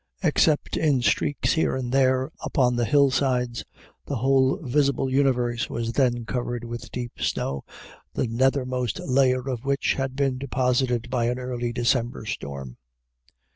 Except in streaks here and there upon the hillsides, the whole visible universe was then covered with deep snow the nethermost layer of which had been deposited by an early December storm.